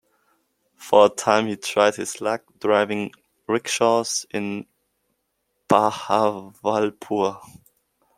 For a time he tried his luck driving rickshaws in Bahawalpur.